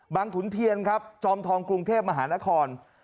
บังถุ้นเทียนจอมทองกรุงเทพมหานคร